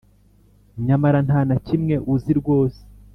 Nyamara nta na kimwe uzi rwose